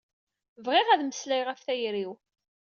Bɣiɣ ad d-meslayeɣ ɣef tayri-w.